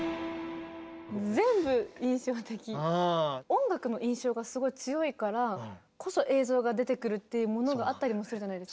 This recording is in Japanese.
音楽の印象がすごい強いからこそ映像が出てくるっていうものがあったりもするじゃないですか。